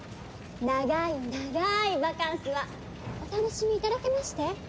長い長いバカンスはお楽しみいただけまして？